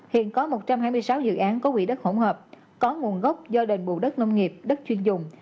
hiện có một trăm hai mươi sáu dự án có quỹ đất hỗn hợp có nguồn gốc do đền bù đất nông nghiệp đất chuyên dùng